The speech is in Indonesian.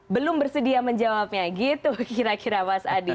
belum bersedia menjawabnya gitu kira kira mas adi